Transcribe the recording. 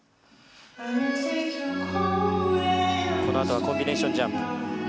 このあとはコンビネーションジャンプ。